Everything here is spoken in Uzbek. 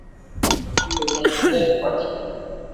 Qalbga yo‘lni qanday toparkin.